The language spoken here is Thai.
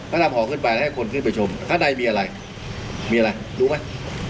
ก็นำห่อขึ้นไปแล้วให้คนขึ้นไปชมข้างในมีอะไรมีอะไรรู้ไหม